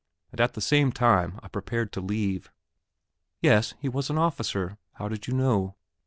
and at the same time I prepared to leave. "Yes; he was an officer. How did you know?"